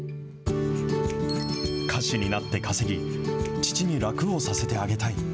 歌手になって稼ぎ、父に楽をさせてあげたい。